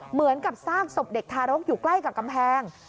เหมือนกับซากศพเด็กทารกอยู่ใกล้กับกำแพง